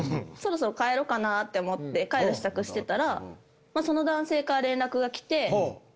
そろそろ帰ろうかなと思って帰る支度してたらその男性から連絡が来て。